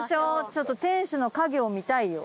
ちょっと天守の影を見たいよ。